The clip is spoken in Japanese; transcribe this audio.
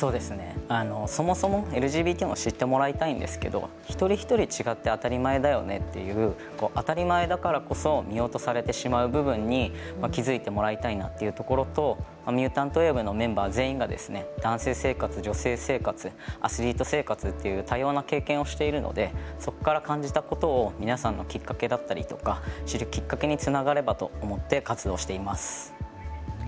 そもそもＬＧＢＴを知ってもらいたいんですけれども一人一人違って当たり前だよねっていう、当たり前だからこそ見落とされてしまう部分に気付いてもらいたいなというところと、ミュータントウェーブメンバー全員が男性生活、女性生活、アスリート生活という多様な経験をしているのでそこから感じたことを皆さんのきっかけだったりとか知るきっかけにつながればと思って活動しています。